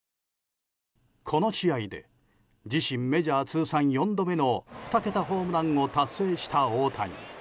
この試合で自身メジャー通算４度目の２桁ホームランを達成した大谷。